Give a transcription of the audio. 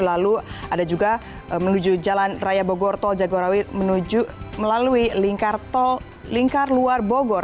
lalu ada juga menuju jalan raya bogor tol jagorawi melalui lingkar luar bogor